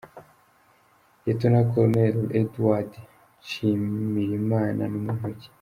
Lt Col Edouard Nshimirimana ni muntu ki?.